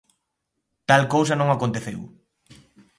Tal cousa non aconteceu.